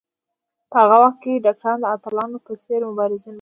په هغه وخت کې ډاکټران د اتلانو په څېر مبارزین وو.